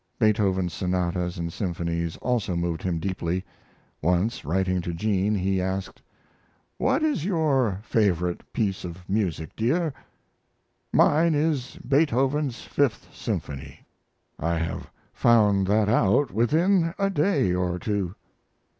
Beethoven's sonatas and symphonies also moved him deeply. Once, writing to Jean, he asked: What is your favorite piece of music, dear? Mine is Beethoven's Fifth Symphony. I have found that out within a day or two.